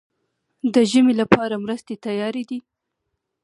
د ژمي لپاره مرستې تیارې دي؟